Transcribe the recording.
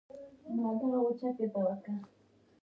ښه سلوک وکړي.